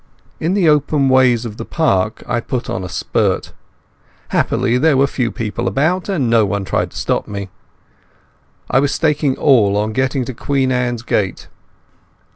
In the open ways of the Park I put on a spurt. Happily there were few people about and no one tried to stop me. I was staking all on getting to Queen Anne's Gate.